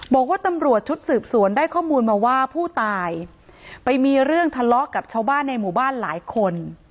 บอกว่าตำรวจชุดสืบสวนได้ข้อมูลมาว่าผู้ตายไปมีเรื่องทะเลาะกับชาวบ้านในหมู่บ้านหลายคน